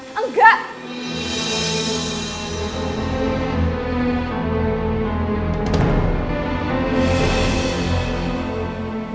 jangan pernah bawa anak saya